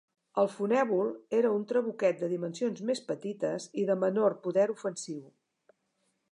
El fonèvol era un trabuquet de dimensions més petites i de menor poder ofensiu.